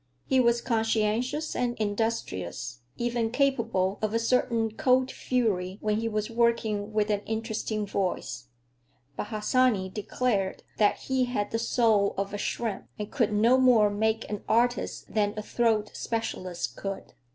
He was conscientious and industrious, even capable of a certain cold fury when he was working with an interesting voice, but Harsanyi declared that he had the soul of a shrimp, and could no more make an artist than a throat specialist could.